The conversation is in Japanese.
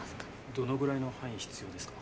どのぐらいの範囲必要ですか？